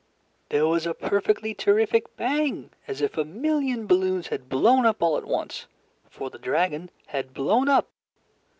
There was a perfectly terrific bang! as if a million balloons had blown up all at once. For the dragon had blown up.